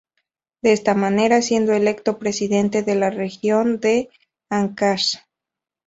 De esta manera siendo electo presidente de la región de Áncash.